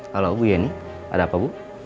halo bu ya ini ada apa bu